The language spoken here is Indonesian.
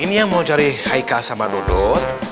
ini yang mau cari haika sama nudut